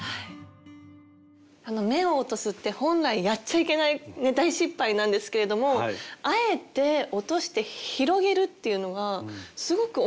目を落とすって本来やっちゃいけない大失敗なんですけれどもあえて落として広げるっていうのがすごく面白いですよね。